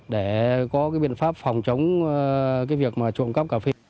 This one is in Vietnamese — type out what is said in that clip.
để có biện pháp phòng chống việc trộm cắp cà phê